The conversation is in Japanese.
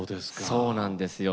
そうなんですよ。